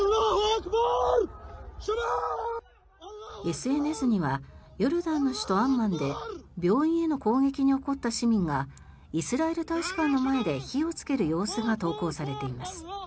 ＳＮＳにはヨルダンの首都アンマンで病院への攻撃に怒った市民がイスラエル大使館の前で火をつける様子が投稿されています。